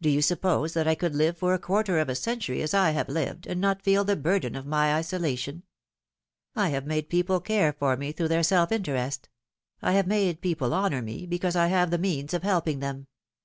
Do you suppose that I could live for a quarter of a century as I have lived, and not feel the burden of my isolation ? I have made people care for me through their self interest. I have made people honour me, because I have the means of helping them.